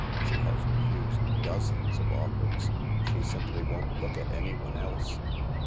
She has refused dozens of offers. She simply won't look at anyone else.